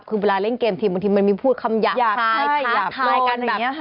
คือเวลาเล่นเกมบางทีมันมีผูชคำอย่าพายกัน